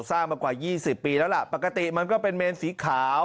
มากว่า๒๐ปีแล้วล่ะปกติมันก็เป็นเมนสีขาว